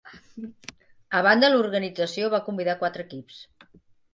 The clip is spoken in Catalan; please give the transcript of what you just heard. A banda, l'organització va convidar a quatre equips.